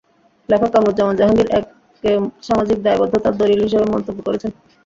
লেখক কামরুজ্জামান জাহাঙ্গীর, একে সামাজিক দায়বদ্ধতার দলিল হিসেবে মন্তব্য করেছেন।